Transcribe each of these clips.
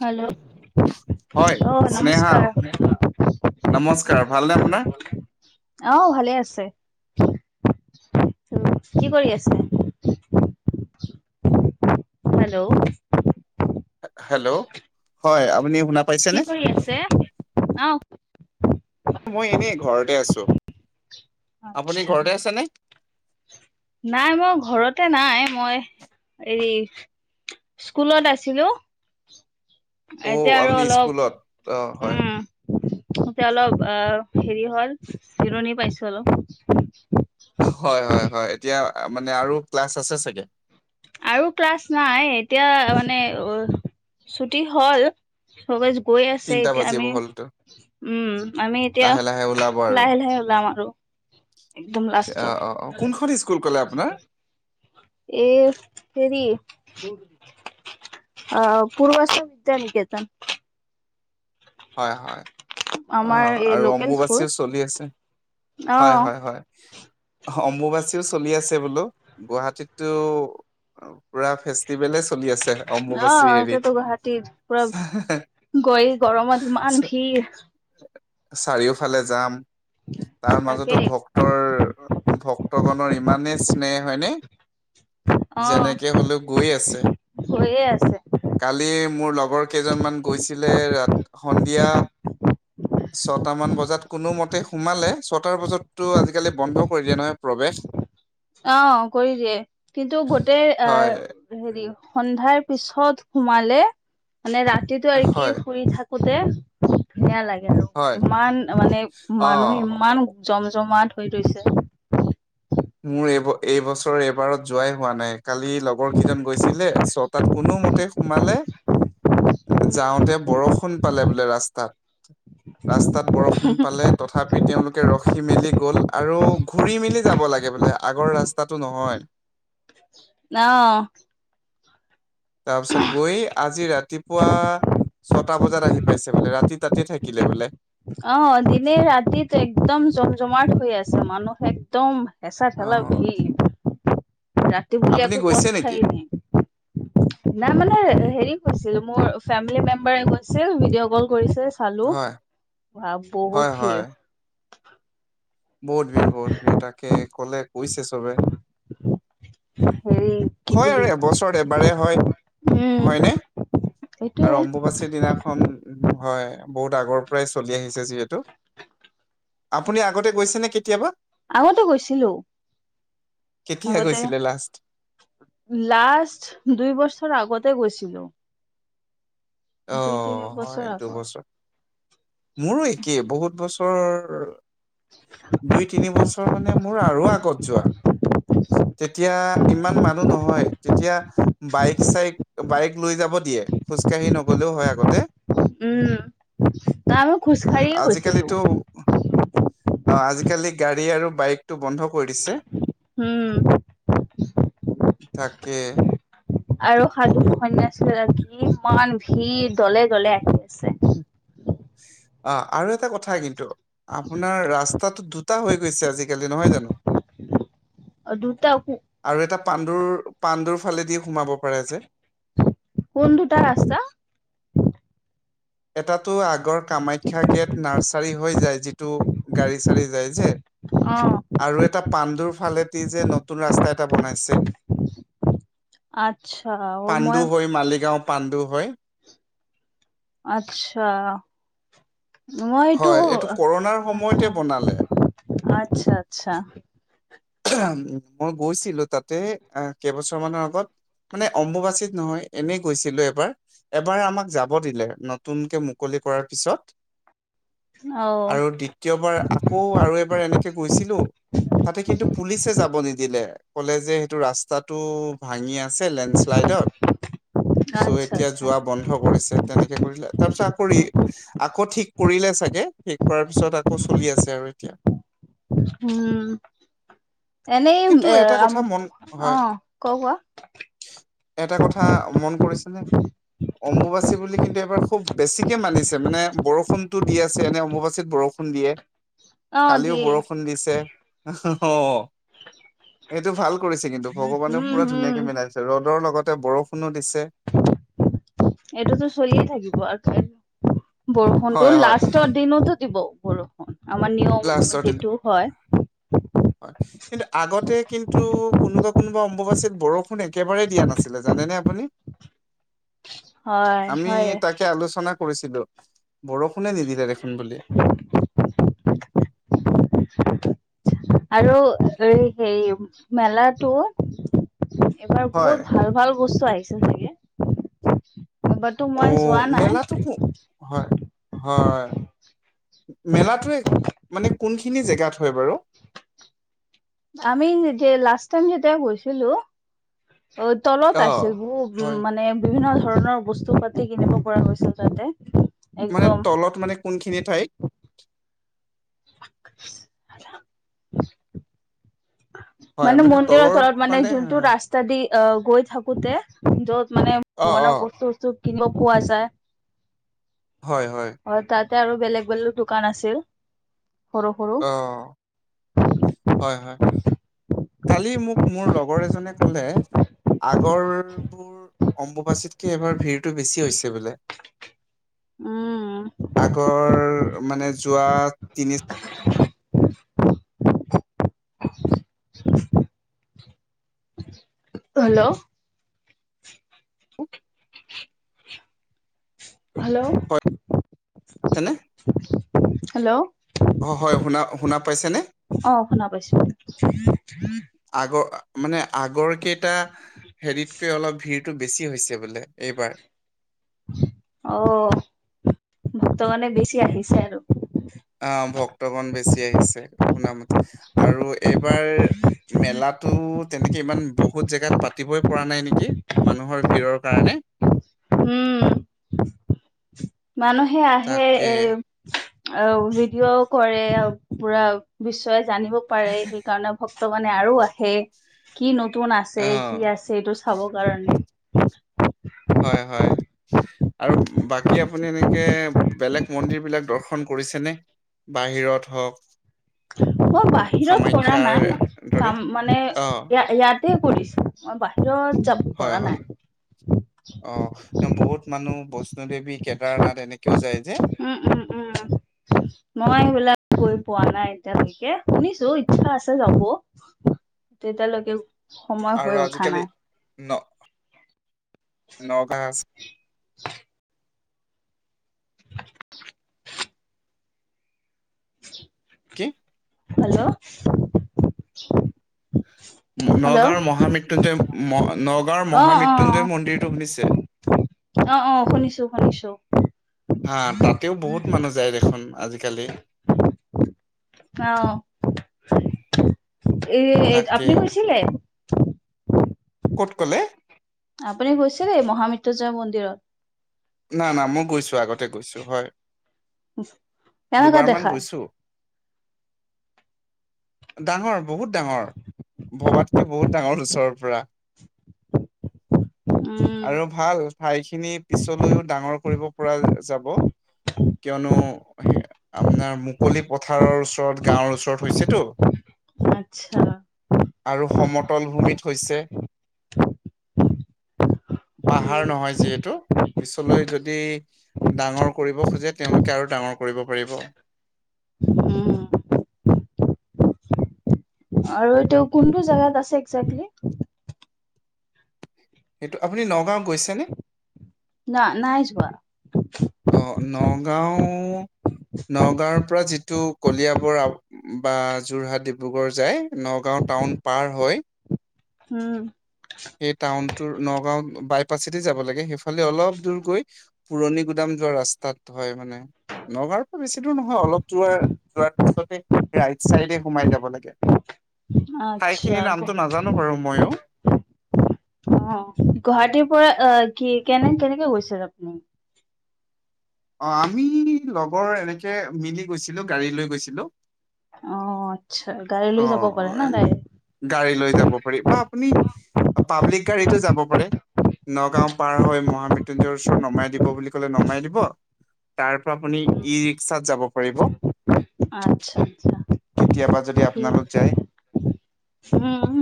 Hello. হয় অ স্নেহা নমস্কাৰ নমস্কাৰ ভালনে আপোনাৰ। অ ভালে আছে। কি কৰি আছে। হেল্ল' হেল্ল' হয় আপুনি শুনা কি পাইছেনে কৰি আছে? অ মই এনেই ঘৰতে আছো। আপুনি আচ্ছা ঘৰতে আছে নে? নাই মই ঘৰত ততে নাই মই হেৰি স্কুলত আছিলো। অ এতিয়া আৰু আপুনি অলপ, স্কুলত অ হয় উম এতিয়া অলপ আ হেৰি হ'ল জিৰণি পাইছো অলপ। হয়, হয়, হয়। এতিয়া মানে আৰু ক্লাছ আছে চাগে? আৰু ক্লাছ নাই। এতিয়া মানে ছুটি হ'ল। [unintelligible] গৈ আছে তিনটা এতিয়া বাজিব আমি হ'লতো উম, আমি এতিয়া লাহে লাহে ওলাব আৰু লাহ-লাহে ওলাম আৰু একদম অ লাষ্টত। অ অ কোনখন স্কুল ক'লে আপোনাৰ এ হেৰি অ', [unintelligible] বিদ্যা নিকেতন হয় হয় আমাৰ অ' এই আৰু লোকেল স্কুল অম্বুবাচীও চলি আছে। অ হয় হয় হয়। অম্বুবাচীও চলি আছে বোলো গুৱাহাটীততো পুৰা ফেষ্টিভেলেছ অ' এতিয়াতো গুৱাহাটীত পুৰা হেৰি গৈ গৰমত ইমান চা- ভিৰ চাৰিওফালে যাম তাৰ তাকে মাজতো ভক্তৰ ভক্তগণৰ ইমানেই স্নেহ হয়নে। অ যেনেকে হ'লেও গৈ আছে। গৈয়ে আছে কালি মোৰ লগৰ কেইজনমান গৈছিলে ৰা সন্ধিয়া। ছটা মান বজাত কোনোমতে সোমালে ছটাৰ বজাতো আজিকালি বন্ধ কৰি দিয়ে নহয় প্ৰৱেশ। অ' কৰি দিয়ে কিন্তু গোটেই হয় আহ হেৰি সন্ধাৰ। পিছত সোমালে মানে ৰাতিটো আৰু কি হয় ফুৰি থাকোতে খুব ধুনীয়া লাগে। আৰু হয় ইমান মানে অ মানুহ ইমান জম জমাত হৈ ৰৈছে মোৰ এই এইবছৰৰ এইবাৰত যোৱাই হোৱা নাই কালি লগৰ কেইজন গৈছিলে ছয় তাত কোনো মতে সোমালে। যাওঁতে বৰষুণ পালে বোলে ৰাস্তাত। ৰাস্তাত বৰষুণ পালে তথাপি তেওঁলোকে ৰখি। উখি মেলি গ'ল আৰু ঘূৰি মেলি যাব লাগে, বোলে আগৰ ৰাস্তাটো নহয়। ন'হ। তাৰপিছত গৈ, আজি ৰাতিপুৱা, ছটা বজাত আহি পাইছে বোলে। ৰাতি তাত তাতে থাকিলে বোলে। অ' দিনে ৰাতিত একদম, জম জমাট হৈ আছে। মানুহ একদম হেঁচা অ থেলা ভিৰ ৰাতি বুুলি আপুনি ক' গৈছে নেকি কথাই নাই, না' মানে হেৰি কৈছিলো, মোৰ ফেমিলি মেম্বাৰে গৈছিল, ভিডিঅ' কল কৰিছে চালো, হয় বা হয় বহুত হয় ভিৰ। বহুত ভিৰ, বহত ভিৰ তাকে, ক'লে কৈছে ছবে। [inaudible] কি হয় আৰু বুলি এবছৰত এবাৰে হয়, উম হয়নে? সেইটোয়ে আৰু অম্বুবাচীৰ দিনাখন, উ, হয়। বহুত আগৰ পৰাই চলি আহিছে যিহেতু। আপুনি আগতে গৈছে নে কেতিয়াবা? আগতে গৈছিলো। কেতিয়া আগতে গৈছিলে লাষ্ট লাষ্ট দুই বছৰ আগতে গৈছ ছিলো। অ, বছৰ হয় আগত দুবছৰ। মোৰো একেই বহুত বছৰ দুই, তিন বছৰ মানে মোৰ আৰু আগত যোৱা। তেতিয়া ইমান মানুহ নহয়, তেতিয়া বাইক চাইক বাইক লৈ যাব দিয়ে, খোজকাঢ়ি নগলেও হয় আগতে। উম, আমি খোজকাঢ়িয়ে গৈছিলো। অ'আজিকালি গাড়ী আৰু টো, বন্ধ কৰি দিছে। উম তাকে- - আৰু সাধু [unintelligible] দেখি, ইমান ভিৰ, দলে-দলে, আহি আছে। অ' আৰু এটা কথা কিন্তু, আপোনাৰ ৰাছ টো দুটা হৈ গৈছে, আজিকালি নহয় জানো? অ দুটা আৰু এটা পাণ্ডুৰ-পাণ্ডুৰ ফালেদি, সোমাব পাৰে যে। কোন দুটা ৰাস্তা এটাতো আগৰ কামাখ্যা গেট, নাৰ্চাৰী হৈ যায়, যিটো গাড়ী চাৰি যায় যে। অ আৰু এটা পাণ্ডুৰ ফালেদি যে নতুন ৰাস্তা এটা বনাইছে। আচ্ছা অ মই পাণ্ডু হৈ, মালিগাও পাণ্ডু হৈ। আচ্ছা, মই এইটো, হয় কৰোণাৰ সময়তে আছা। বনালে আত্চ্ছা-আচ্ছা। মই গৈছিলো তাতে, অ কেইবছৰ মানৰ আগত। মানে অম্বুবাচীত নহয়, এনে গৈছিলো এবাৰ, এবাৰ আমাক যাব দিলে, নতুনকে মুকলি সে কৰাৰ পিছত। অ আৰু দ্বিতীয়বাৰ আকৌ আৰু এবাৰ এনেকে গৈছ কিন্তু তাতে কিন্তু পুলিচে যাব নিদিলে। ক'লে যে, সেইটো ৰাস্তাটো ভাঙি আ আছে, লেণ্ডশ্লাইডত। চ আচ্ছা এতিয়া আচ্ছা যোৱা বন্ধ কৰিছে, তেনেকে কৰিলে। তাৰ পাছত আকৌ ৰি আকৌ ঠিক কৰিলে চাগে, শেষ কৰাৰ পিছত আকৌ চলি আছে আৰু এতিয়া। হুম। এনেই কিন্তু এ এটা আম, কথা মন অ হয় ক কোৱা? এটা কথা মন কৰিছেনে, অম্বুবাচী বুলি কিন্তু এবাৰ খুব বেছিকে মানিছ মানে, বৰষুণটো দি আছে এনে অম্বুবাচীত বৰষুণ দিয়ে। অ কালিও দিয়ে বৰষুণ দিছে। অ এইটো ভাল কৰিছে কিন্তু, ভগৱানেও উম পুৰা হম ধুনীয়াকে মিলাই দিছে। ৰ'দৰ লগতে বৰষুণো দিছ এইটোতো চলিয়ে থাকিব আৰ থে বৰষুণটো, হয় হয় লাষ্টৰ দিনোতো দিব বৰষুণ। আমাৰ নিয়ম, লাষ্টৰ দিনা এইটোও হয়। হয়। কিন্তু আগতে কিন্তু কোনোবা কোনোবা অম্বুবাচীত বৰষুণ একেবাৰে দিয়া নাছিলে জা নেনে আপুনি? হয় আমি হয় তাকে আলোচনা কৰিছিলোঁ। বৰষুণে নিদিলে দেখোন বুলি। [inaudible] আৰু এই হেৰি, মেলাতো এইবাৰ হয় বহুত ভাল ভাল বস্তু আহিছে চাগে? এইবাৰতো অ মই যোৱা নাই। মেলাটো কো হয় হয়। মেলাটোৱেই, মানে কোনখিনি জেগাত হয় বাৰু? আমি যে লাষ্ট টাইম যেতিয়া গৈছিলোঁ, অ তলত অ আছিল। বহু উ হয় মানে বিভিন্ন ধ ধৰণৰ বস্তু পাতি কিনিব পৰা হৈছিল তাতে। মানে একদম তলত মানে কোনখিনি ঠাইত? [unintelligible] মানে মন্দিৰৰ তলত মানে যোনটো ৰাস্তা দি। অহ গৈ থাকোতে য'ত মানে অ অ ভগৱানৰ বস্তু চস্তু কিনিব পোৱা যায়। হয় হয়। অ তাতে আৰু বেলেগ বেলেগ দোকান আছিল। সৰু সৰু অহ হয় হয়। কালি মোক মোৰ লগৰ এজনে ক'লে। আগৰবোৰ অম্বুবাচীতকে এইবাৰ ভিৰটো বেছি হৈছে বোলে। উম আগৰ, মানে যোৱা তিনি [unintelligible] [inaudible] হেল্ল'! হেল্ল'! হয়নে হেল্ল'? অ হয়। শুনা শুনা পাইছেনে? আহ, শুনা পাইছোঁ। আগৰ মানে আগৰ কেইটা হেৰিতকৈ অলপ ভিৰটো বেছি হৈছে বোলে, এইবাৰ। তোৰ মানে বেছি আহিছে আৰু। অ ভক্তগণ বেছি আহিছে শুনামতে আৰু এইবাৰ মেলা। টো তেনে। ইমান বহুত জেগাত পাতিবই পৰা নাই নেকি মানুহৰ ভিৰৰ কাৰণে। [unintelligible] [inaudible] উম। মানুহে আহে তাকে এ। অ ভিডিঅ' কৰে পুৰা বিশ্বই জানিব পাৰে সেইকাৰণে ভ। ভক্ত মানে আৰু আহে কি নতুন অ আছে কি আছে এইটো চাব কাৰণে। [unintelligible] হয় হয় আৰু বাকী আ। আপুনি এনেকে বেলেগ মন্দিৰ বিলাক দৰ্শন কৰিছেনে বাহিৰত হওঁক। অ বাহিৰত কৰা নাই দৰে কাম মানে অ ইয়া ইয়াত। তেই কৰিছোঁ মই বাহিৰত। যাব হয় পৰা হয় নাই। অ বহুত মানুহ বস্ত। বিষ্ণুদেৱী কেদাৰনাথ এনেকেও যায় যে। [inaudible] উম, উম, উম। মই সেইবিলাক গৈ পোৱা নাই এতিয়ালৈকে শুনিছো ইচ্ছা আছে যাব। তেতিয়ালৈকে। সময় হৈ আৰু উঠা আজিকালি নাই নহ। নগা। [inaudible] [unintelligible] কি। হেল্ল'। [unintelligible] হেল্ল'। নগাঁওৰ মহামৃত্যুঞ্জয় নগাঁওৰ অ অ মহামৃত্যুঞ্জয় মন্দিৰটো শুনিছে। অ অ শুনিছোঁ শুনিছোঁ। হা তাতেও বহুত মানুহ যায় দেখোন আজিকালি। অহ এ তাকে আপুনি গৈছিলে। ক'ত ক'লে। আপুনি গৈছিলে মহামৃত্যুঞ্জয় মন্দিৰত? নাই না মই গৈছোঁ আগতে গৈছোঁ হয়। [inaudible] কেনেকুৱা দুবাৰমান দেখাই গৈছোঁ। [inaudible] ডাঙৰ বহুত ডাঙৰ ভবাতকৈ বহুত ডাঙৰ ওচৰৰ পৰা। [inaudible] উম আৰু ভাল ঠাইখিনি পিছলৈও ডাঙৰ কৰিব। পৰা যাব। কিয়নো আপোনাৰ মুকলি পথাৰৰ ওচৰত গাঁৱৰ ওচৰত হৈছেতো। [inaudible] আচ্ছা। আৰু সমতল ভূমিত হৈছে। উম পাহাৰ নহয় যিহেতু। পিছলৈ যদি ডাঙৰ কৰিব খোজে তেওঁলোকে আৰু ডাঙৰ কৰিব পাৰিব। [inaudible] উম আৰু এইটো কোনটো জাগাত আছে একজেক্টলি? এইটো আপুনি নগাঁও গৈছেনে না নাই যোৱা। অ নগাঁও। নগাঁওৰ পৰা যিটো কলিয়াবৰ বা যোৰহাট ডিব্ৰুগড় যায় নগাঁওত। টাউন পাৰ হৈ। উম। পাচেদি যাব লাগে সেইফালে অলপ দূৰ গৈ পুৰণি গুদাম যোৱা ৰাস্তাত হয় মানে। নগাঁওৰ পৰা বেছি দূৰ নহয় অলপ দূৰে যোৱাৰ পিছতে ৰাইট চাইডে সোমাই যাব লাগে। আচ্ছা ঠাইখিনিৰ নামটো নাজানোঁ বাৰু মইও। অ', গুৱাহাটীৰ পৰা আ কি কেনে-কেনেকে গৈছিল আপুনি? অ', আমি লগৰ এনেকে মিলি গৈছিলো, গাড়ী লৈ গৈছিলো। অ'। আচ্ছা গাড়ী লৈ যাব পাৰে ন অ', ডাইৰেক্ট গাড়ী লৈ যাব পাৰি বা আপুনি পাব্লিক গাড়ীতো যাব পাৰে। নগাঁও পাৰ হৈ মহা মৃত্যুঞ্জয়ৰ ওচৰত নমাই দিব বুলি কলে নমাই দিব। তাৰ পৰা আপুনি ই ৰিক্সাত যাব পাৰিব। আচ্ছা আচ্ছা। কেতিয়াবা যদি [unintelligible] আপোনালোক যায়, উম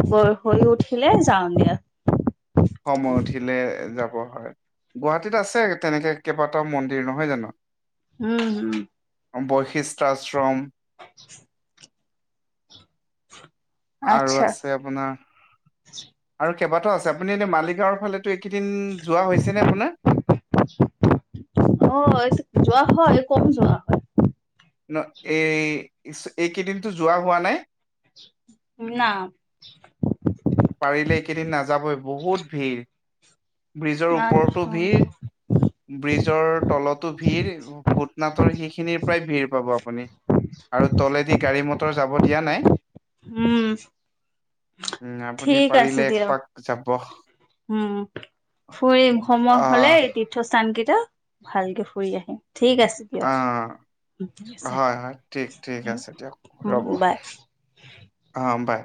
সময় হৈ উঠিলে যাওঁ দিয়া। সময় উঠিলে যাব হয়। গুৱাহাটীত আছে তেনেকে কেইবাটাও মন্দিৰ নহয় জানো। উম হম। বৈশিষ্ট আশ্ৰম [inaudible] আৰু আচ্ছা আছে আপোনাৰ আৰু কেইবাটাও আছে আপুনি এনেই মালিগাঁওৰ ফালে, এইকেইদিন যোৱা হৈছে নে আপোনাৰ? অ যোৱা হয় কম যোৱা হয়। ন, এই এইকেইদিনটো যোৱা হোৱা নাই? না, পাৰিলে এইকেইদিন নাযাবই বহুত ভিৰ। ব্ৰিজৰ ওপৰতো আচ্ছা ভিৰ, ব্ৰিজৰ তলতো ভিৰ, ভূটনাথৰ সিখিনিৰ পৰাই ভিৰ পাব আপুনি। আৰু তলেদি গাড়ী মটৰ যাব দিয়া নাই। হুম। উম, আপুনি পাৰিলে এক পাক যাব। হুম উম, ফুৰিম সময় অ হলে তীৰ্থস্থান কে তা ভালকে ফুৰি আহিম, ঠিক আছে দিয়ক। অ ঠিক আছে, হয়, হয়, ঠিক, ঠিক আছে দিয়ক [unintelligible] উম, ৰ'ব বাই। অ' বাই।